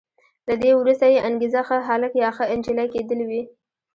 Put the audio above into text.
له دې وروسته یې انګېزه ښه هلک یا ښه انجلۍ کېدل وي.